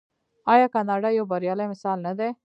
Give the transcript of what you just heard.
آیا کاناډا یو بریالی مثال نه دی؟